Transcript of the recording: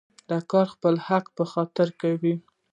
دا کار د خپل حق په خاطر کوو.